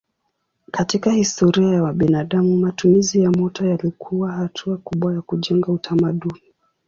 Katika historia ya binadamu matumizi ya moto yalikuwa hatua kubwa ya kujenga utamaduni.